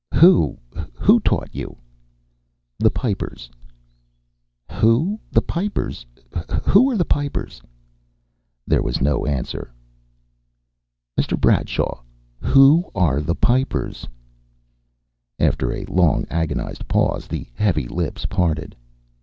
"Who? Who taught you?" "The Pipers." "Who? The Pipers? Who are the Pipers?" There was no answer. "Mr. Bradshaw, who are the Pipers?" After a long, agonized pause, the heavy lips parted.